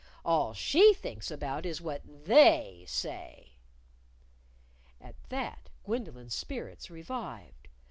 All she thinks about is what They say!" At that Gwendolyn's spirits revived.